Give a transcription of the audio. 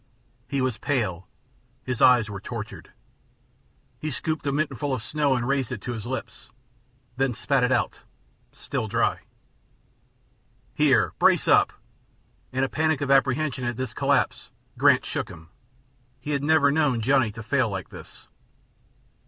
He was pale, his eyes were tortured. He scooped a mitten full of snow and raised it to his lips, then spat it out, still dry. "Here! Brace up!" In a panic of apprehension at this collapse Grant shook him; he had never known Johnny to fail like this.